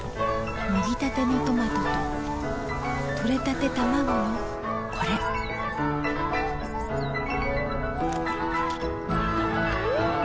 もぎたてのトマトととれたてたまごのこれん！